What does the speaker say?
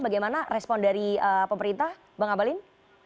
bagaimana respon dari pemerintah bang abalin